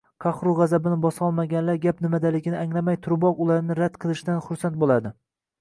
Qahru g‘azabini bosolmaganlar gap nimadaligini anglamay turiboq ularni rad qilishdan xursand bo‘ladi